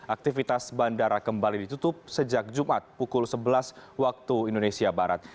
aktivitas bandara kembali ditutup sejak jumat pukul sebelas waktu indonesia barat